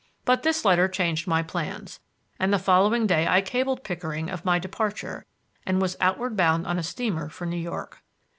But this letter changed my plans, and the following day I cabled Pickering of my departure and was outward bound on a steamer for New York.